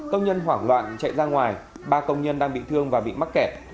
công nhân hoảng loạn chạy ra ngoài ba công nhân đang bị thương và bị mắc kẹt